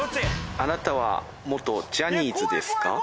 あなたは元ジャニーズですか？